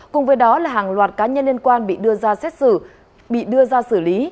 cùng với đó là hàng loạt cá nhân liên quan bị đưa ra xét xử bị đưa ra xử lý